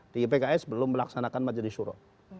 di pks belum melaksanakan majelis suro